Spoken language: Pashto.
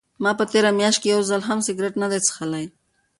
ما په تېره میاشت کې یو ځل هم سګرټ نه دی څښلی.